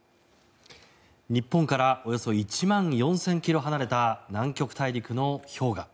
日本からおよそ１万４０００ｋｍ離れた南極大陸の氷河。